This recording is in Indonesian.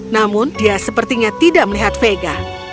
namun dia sepertinya tidak melihat vega